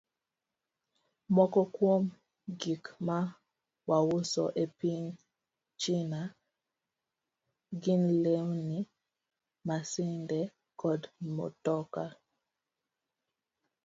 Moko kuom gik ma wauso e piny China gin lewni, masinde, kod mtokni.